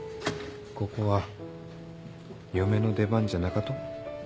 ここは嫁の出番じゃなかと？